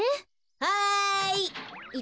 はい。